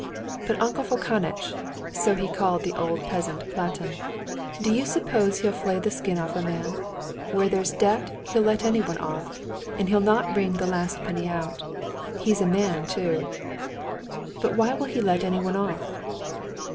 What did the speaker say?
But Uncle Fokanitch" (so he called the old peasant Platon), "do you suppose he'd flay the skin off a man? Where there's debt, he'll let anyone off. And he'll not wring the last penny out. He's a man too." "But why will he let anyone off?"